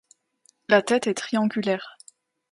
La tête est triangulaire.